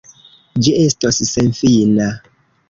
Ĝi estos senfina.